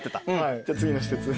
じゃあ次の施設。